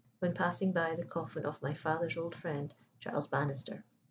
when passing by the coffin of my father's old friend, Charles Bannister."